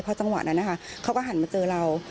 พอจังหวะนั้นเขาก็หันมาเจอเรา